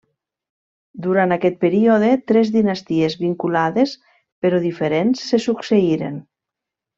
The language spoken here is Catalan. Durant aquest període, tres dinasties vinculades, però diferents se succeïren.